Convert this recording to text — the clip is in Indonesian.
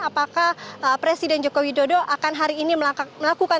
apakah presiden joko widodo akan hari ini melakukan